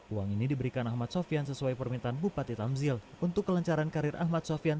uang ini diberikan ahmad sofian sesuai permintaan bupati tamzil untuk kelencaran karir ahmad sofian